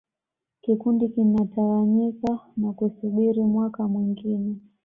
Kikundi kinatawanyika na kusubiri mwaka mwingine